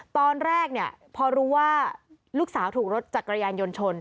ตอนแรกเนี่ยพอรู้ว่าลูกสาวถูกรถจักรยานยนต์ชน